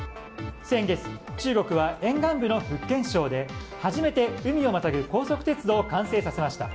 先月、中国は沿岸部の福建省で初めて海をまたぐ高速鉄道を完成させました。